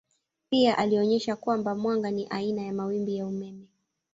Pia alionyesha kwamba mwanga ni aina ya mawimbi ya umeme.